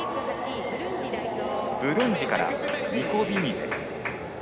ブルンジからニコビミゼ。